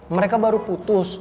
mereka baru putus